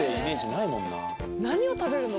何を食べるの？